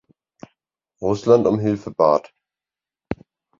Russland um Hilfe bat.